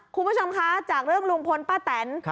คุณผู้ชมคะจากเรื่องลุงพลป้าแตน